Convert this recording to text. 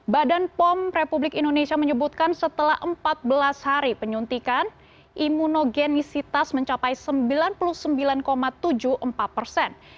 badan pom republik indonesia menyebutkan setelah empat belas hari penyuntikan imunogenisitas mencapai sembilan puluh sembilan tujuh puluh empat persen